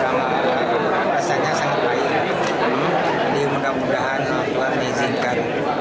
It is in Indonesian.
jadi mudah mudahan aku akan izinkan